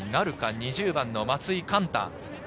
２０番の松井貫太。